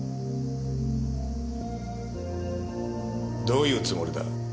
どういうつもりだ。